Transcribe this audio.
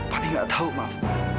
papi gak tau maaf